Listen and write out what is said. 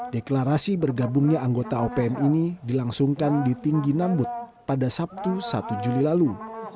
deklarasi bergabungnya anggota opm ini dilangsungkan di tinggi nambut pada sabtu satu juli lalu